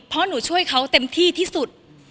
เพราะหนูช่วยเขาเต็มที่ที่สุด